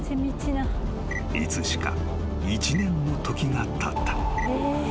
［いつしか１年の時がたった］